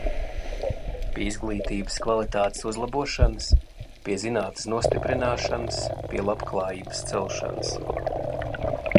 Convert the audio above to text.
Pie izglītības kvalitātes uzlabošanas, pie zinātnes nostiprināšanas, pie labklājības celšanas.